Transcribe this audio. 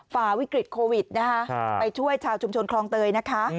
ฝ่าวิกฤตโควิดนะคะไปช่วยชาวชุมชนคลองเตยนะคะ